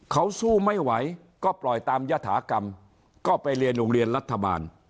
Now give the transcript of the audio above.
เขาสู้ไม่ไหวก็ปล่อยตามยฐากรรมก็ไปเรียนโรงเรียนรัฐบาล